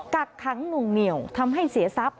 กักขังหนุ่งเหนียวทำให้เสียทรัพย